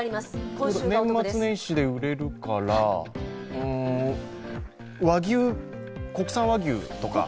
年末年始で売れるから国産和牛とか？